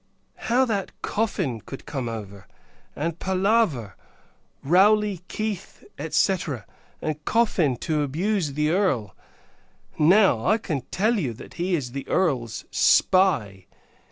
How that Coffin could come over, and palaver, Rowley, Keith, &c. and Coffin to abuse the Earl! Now, I can tell you, that he is the Earl's spy.